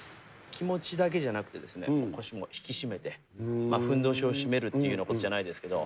気持ちだけじゃなくて、腰も引き締めて、ふんどしを締めるというようなことじゃないですけど。